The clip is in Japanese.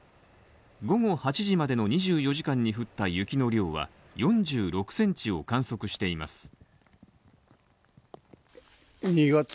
午後８時までの２４時間に降った雪の量は４５ｃｍを観測しています。